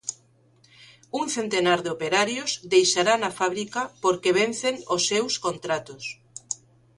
Un centenar de operarios deixarán a fábrica porque vencen os seus contratos.